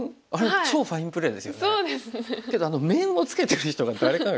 けど面をつけてる人が誰かが。